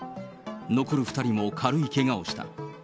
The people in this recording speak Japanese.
残る２人も軽いけがをした。